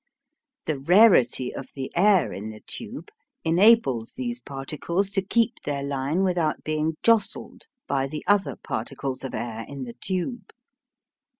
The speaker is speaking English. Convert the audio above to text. The rarity of the air in the tube enables these particles to keep their line without being jostled by the other particles of air in the tube.